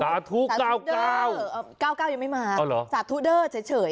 สาธุเก้าเก้าเก้าเก้ายังไม่มาอ๋อเหรอสาธุเด้อเฉยเฉย